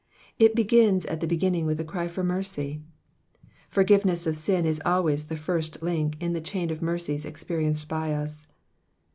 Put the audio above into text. It begins at the beginning with a cry for mercy. Forgiveness of sin is always the first link in the chain of mercies experienced by us.